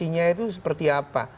pilihan emosinya itu seperti apa